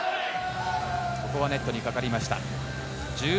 ここはネットにかかりました。